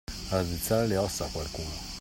Raddrizzare le ossa a qualcuno.